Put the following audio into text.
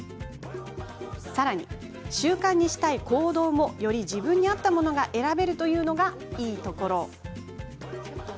さらに習慣にしたい行動もより自分に合ったものが選べるのがいいところ。